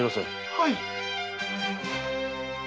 はい！